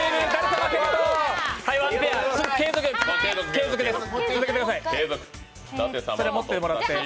継続です。